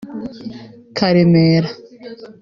Karemera